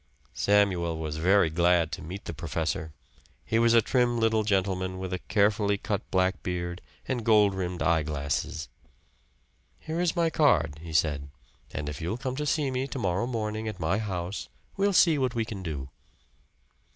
Samuel was very glad to meet the professor. He was a trim little gentleman, with a carefully cut black beard and gold rimmed eyeglasses. "Here is my card," he said; "and if you'll come to see me to morrow morning at my house, we'll see what we can do."